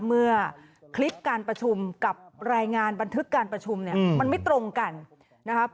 เมื่อคลิปการประชุมกับรายงานบันทึกการประชุมเนี่ยมันไม่ตรงกันนะครับ